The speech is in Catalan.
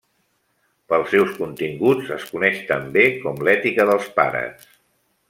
Pels seus continguts es coneix també com l'ètica dels pares.